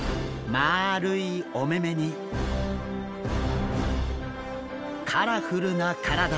まあるいお目々にカラフルな体。